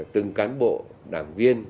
từng cán bộ đảng viên